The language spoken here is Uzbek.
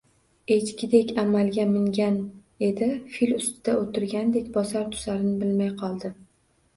Echkidek amalga mingan edi, fil ustida o’tirgandek bosar-tusarini bilmay qoldi.